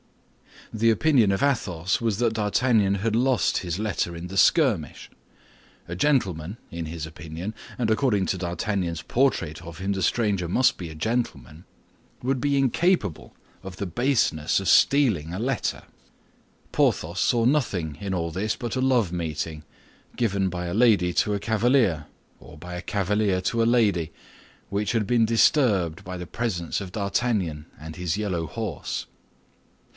The opinion of Athos was that D'Artagnan had lost his letter in the skirmish. A gentleman, in his opinion—and according to D'Artagnan's portrait of him, the stranger must be a gentleman—would be incapable of the baseness of stealing a letter. Porthos saw nothing in all this but a love meeting, given by a lady to a cavalier, or by a cavalier to a lady, which had been disturbed by the presence of D'Artagnan and his yellow horse.